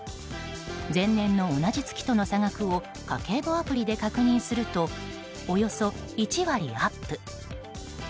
前年の同じ月との差額を家計簿アプリで確認するとおよそ１割アップ。